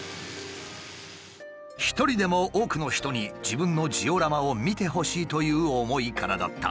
一人でも多くの人に自分のジオラマを見てほしいという思いからだった。